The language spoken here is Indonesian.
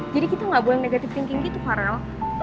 jadi kita gak boleh negative thinking gitu farel